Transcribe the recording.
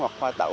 hoặc hoa tẩu